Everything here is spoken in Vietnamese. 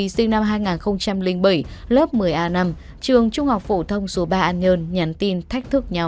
sinh năm hai nghìn bảy lớp một mươi a năm trường trung học phổ thông số ba an nhơn nhắn tin thách thức nhau